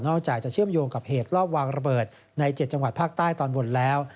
จากจะเชื่อมโยงกับเหตุรอบวางระเบิดใน๗จังหวัดภาคใต้ตอนบนแล้ว